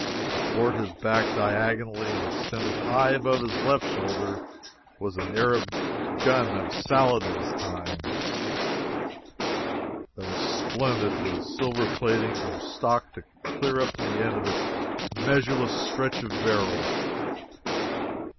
Athwart his back, diagonally, and extending high above his left shoulder, was an Arab gun of Saladin's time, that was splendid with silver plating from stock clear up to the end of its measureless stretch of barrel.